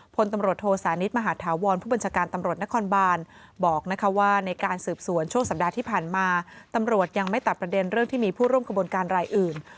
พลตำรวจโทสานิทมหาธาวรผู้บัญชาการตำรวจนครบานบอกว่าในการสืบสวนช่วงสัปดาห์ที่ผ่านมาตำรวจยังไม่ตัดประเด็นเรื่องที่มีผู้ร่วมขบวนการรายอื่น